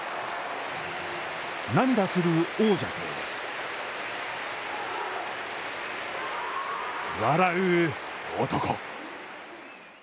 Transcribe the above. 涙する王者と、笑う男。